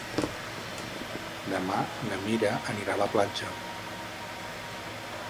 Demà na Mira anirà a la platja.